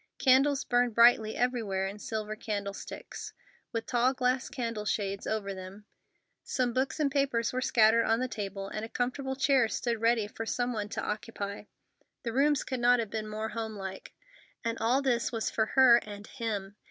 Candles burned brightly everywhere in silver candlesticks, with tall glass candle shades over them. Some books and papers were scattered on the table, and a comfortable chair stood ready for some one to occupy. The rooms could not have been more home like. And all this was for her and—him!